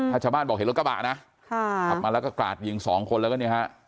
ถ้าชาวบ้านบอกเห็นรถกระบะนะขับมาแล้วก็กราดยิงสองคนแล้วก็เนี่ยฮะ